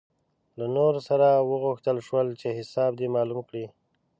له نورو هم وغوښتل شول چې حساب دې معلوم کړي.